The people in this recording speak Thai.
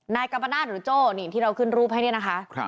นายกัมปนาศหรือโจ้นี่ที่เราขึ้นรูปให้เนี่ยนะคะ